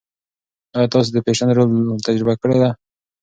ایا تاسو د فش رول تجربه کړې ده؟